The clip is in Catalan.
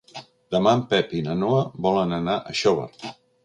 Demà en Pep i na Noa volen anar a Xóvar.